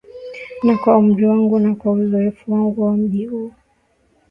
na kwa umri wangu na kwa uzoefu wangu wa mji huu